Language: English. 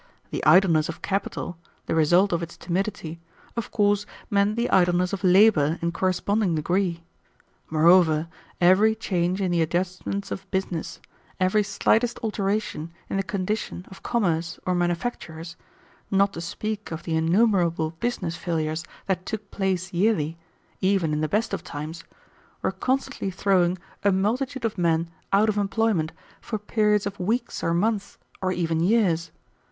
The idleness of capital, the result of its timidity, of course meant the idleness of labor in corresponding degree. Moreover, every change in the adjustments of business, every slightest alteration in the condition of commerce or manufactures, not to speak of the innumerable business failures that took place yearly, even in the best of times, were constantly throwing a multitude of men out of employment for periods of weeks or months, or even years.